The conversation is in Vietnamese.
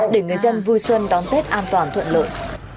để người dân vui xuân đón tết an toàn thuận lợi